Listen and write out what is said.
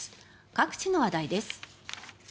各地の話題です。